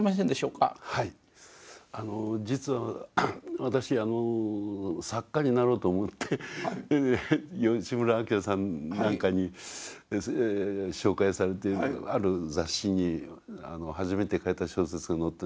実は私作家になろうと思ってそれで吉村昭さんなんかに紹介されてある雑誌に初めて書いた小説が載って。